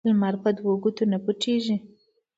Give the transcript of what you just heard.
لمر په دوو ګوتو نه پوټیږی.